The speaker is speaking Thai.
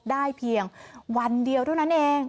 ได้เพียงวันเดียวเท่านั้นเอง